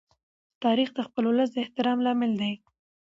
تاریخ د خپل ولس د احترام لامل دی.